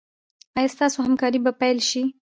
ایا ستاسو همکاري به پیل شي؟